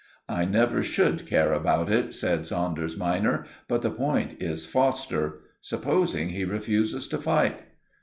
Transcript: "I never should care about it," said Saunders minor. "But the point is Foster. Supposing he refuses to fight?"